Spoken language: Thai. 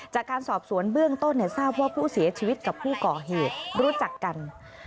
จากการสอบสวนเบื้องต้นทราบว่าผู้เสียชีวิตกับผู้ก่อเหตุรู้จักกัน